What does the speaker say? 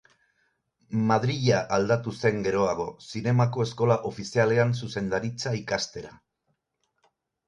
Madrila aldatu zen geroago, Zinemako Eskola Ofizialean zuzendaritza ikastera.